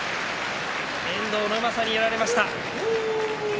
遠藤のうまさにやられました。